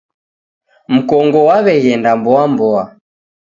Mkongo waw'eghenda mboa mboa.